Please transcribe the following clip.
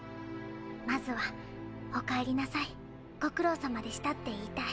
まずは「お帰りなさいご苦労さまでした」って言いたい。